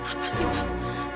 apa sih mas